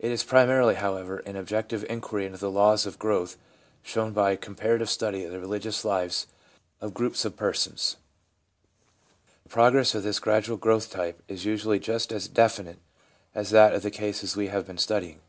It is primarily, however, an objective inquiry into the laws of growth shown by a comparative study of the religious lives of groups of persons. The progress of this gradual growth type is usually just as definite as that of the cases we have been studying.